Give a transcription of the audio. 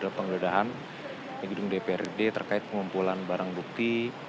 dalam pengelodahan gedung dprd terkait pengumpulan barang bukti